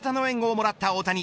味方の援護をもらった大谷。